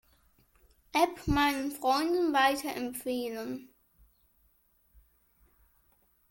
App meinen Freunden weiterempfehlen.